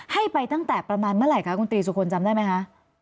ให้ไปตั้งแต่ประมาณเมื่อไหร่คะคุณตรีสุคลจำได้ไหมคะ